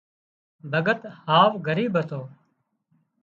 ڀڳت هاوَ ڳريٻ هتو